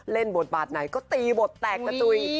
เล่นบทบาทไหนก็ตีบทแตกกระตุ๋ย